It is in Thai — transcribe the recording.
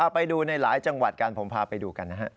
ไปดูในหลายจังหวัดกันผมพาไปดูกันนะฮะ